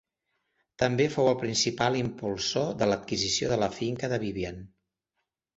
També fou el principal impulsor de l'adquisició de la finca de Vivian.